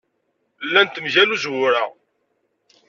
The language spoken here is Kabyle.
Llant-d mgal uzwur-a.